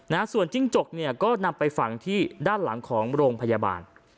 นะฮะส่วนจิ้งจกเนี่ยก็นำไปฝังที่ด้านหลังของโรงพยาบาล